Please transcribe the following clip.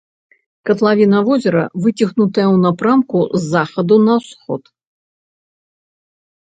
Катлавіна возера выцягнутая ў напрамку з захаду на ўсход.